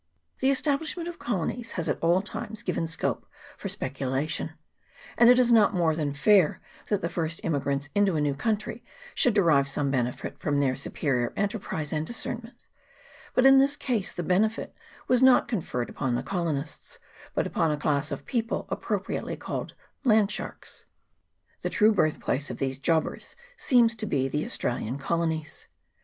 The establishment of colonies has at all times given scope for speculation, and it is not more than fair that the first immigrants into a new country should derive some benefit from their superior en terprise and discernment ; but in this case the benefit was not conferred upon the colonists, but upon a class of people appropriately called land sharks. The true birth place of these jobbers seems to be the CHAP. I.J GENERAL REMARKS. 13 Australian colonies.